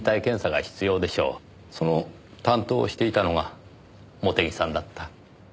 その担当をしていたのが茂手木さんだった。